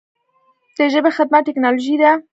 د ژبې خدمت ټکنالوژي ده.